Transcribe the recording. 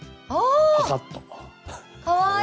かわいい！